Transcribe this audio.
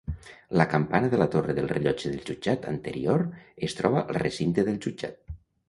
La campana de la torre del rellotge del jutjat anterior es troba al recinte del jutjat.